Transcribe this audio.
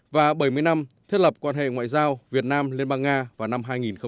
và bảy mươi năm thiết lập quan hệ ngoại giao việt nam liên bang nga vào năm hai nghìn hai mươi